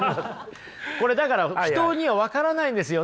これだから人には分からないんですよね。